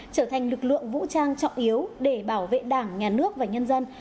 trở thành lực lượng vũ trang trọng yếu để bảo vệ đảng nhà nước và nhân dân